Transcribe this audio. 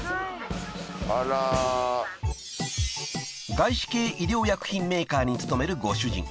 ［外資系医療薬品メーカーに勤めるご主人］